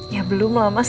ya belum lah mas